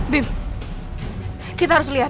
bim kita harus liat